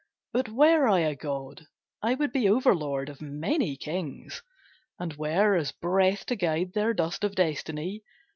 But were I god, I would be overlord Of many kings, and were as breath to guide Their dust of destiny.